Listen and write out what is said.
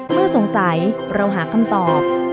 เมื่อสงสัยเราหาคำตอบ